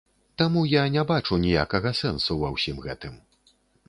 Таму я не бачу ніякага сэнсу ва ўсім гэтым.